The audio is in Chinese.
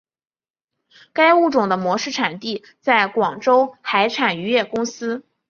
该物种的模式产地在广州海产渔业公司。